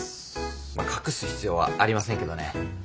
隠す必要はありませんけどね。